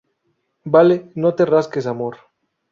vale. no te rasques, amor.